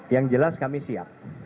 yang jelas kami siap